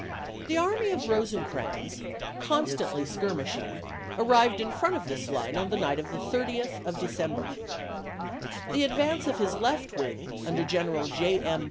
The army of Rosecrans, constantly skirmishing, arrived in front of this line on the night of the 30th of December. The advance of his left wing, under General J. M.